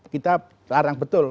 kita harang betul